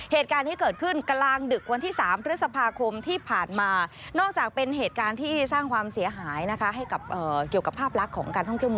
เหตุการณ์ที่เกิดขึ้นกำลังดึกวันที่๓